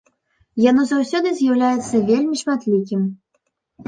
Яно заўсёды з'яўляецца вельмі шматлікім.